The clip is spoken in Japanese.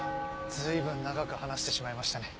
随分長く話してしまいましたね。